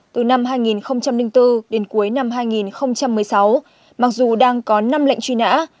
từ năm hai nghìn bốn đến cuối năm hai nghìn một mươi sáu mặc dù đang có năm lệnh truy nã